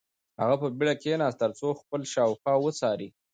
هغه په بېړه کښېناست ترڅو خپل شاوخوا وڅاري.